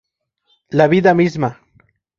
La vida misma.